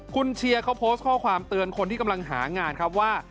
คุณเชียร์เขาโพสต์ข้อความเตือนคนที่กำลังหางานครับว่า